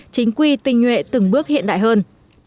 chính quy tinh nhuệ từng bước hiện đại hơn